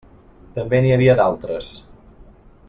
També n'hi havia d'altres.